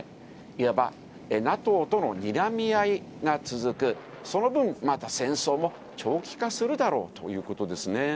いわばＮＡＴＯとのにらみ合いが続く、その分、また戦争も長期化するだろうということですね。